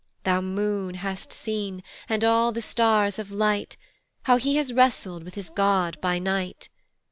Thou moon hast seen, and all the stars of light, How he has wrestled with his God by night.